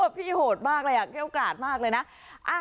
พี่โหดมากเลยเกี้ยวกราดมากเลยนะ